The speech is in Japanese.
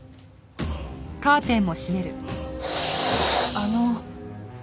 あの。